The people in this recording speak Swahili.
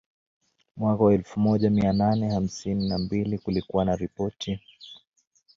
Mwaka wa elfu moja mia nane hamsini na mbili kulikuwa na ripoti